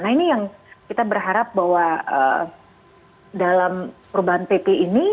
nah ini yang kita berharap bahwa dalam perubahan pp ini